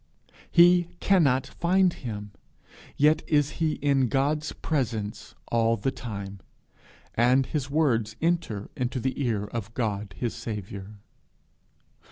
He cannot find him! Yet is he in his presence all the time, and his words enter into the ear of God his Saviour.